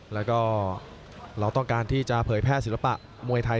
แล้วก็เราต้องการที่จะเผยแพร่ศิลปะมวยไทย